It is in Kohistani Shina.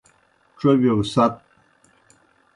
ڇوبِیو گہ سَت۔